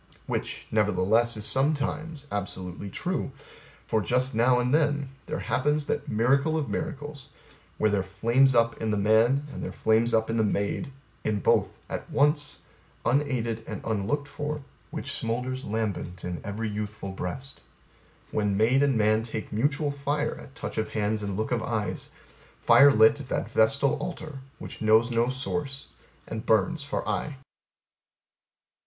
Which, nevertheless, is sometimes absolutely true, for Just now and then there happens that miracle of miracles, where their flames up in the man, and their flames up in the maid, in both at once, unaided and unlooked for, that divine and supra mundane spark which smolders lambent in every youthful breast: when maid and man take mutual fire at touch of hands and look of eyes, fire lit at that vestal altar which knows no source and burns for aye.